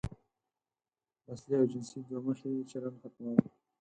نسلي او جنسي دوه مخی چلن ختمول.